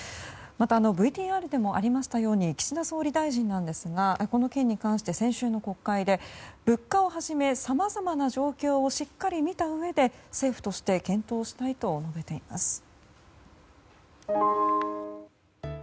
またＶＴＲでもありましたように岸田総理大臣なんですがこの件に関して、先週の国会で物価を始め、さまざまな状況をしっかり見たうえで政府として検討したいと述べています。